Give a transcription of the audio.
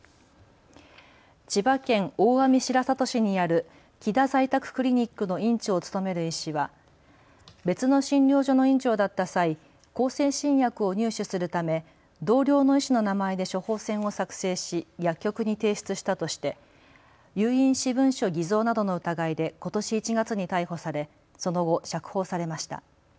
千葉県大網白里市にあるきだ在宅クリニックの院長を務める医師は別の診療所の院長だった際、向精神薬を入手するため同僚の医師の名前で処方箋を作成し薬局に提出したとして有印私文書偽造などの疑いでことし１月に逮捕されその後、釈放されました。